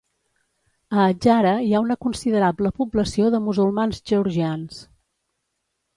A Adjara hi ha una considerable població de musulmans georgians.